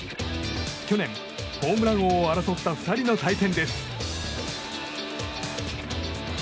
去年、ホームラン王を争った２人の対戦です。